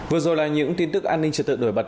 vừa rồi là những tin tức an ninh trật tự nổi bật